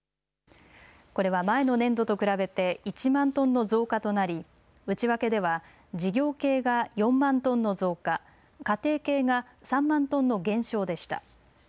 これは前の年度と比べて１万トンの増加となり内訳では事業系が４万トンの増加、家庭系が３万トンの減少でした。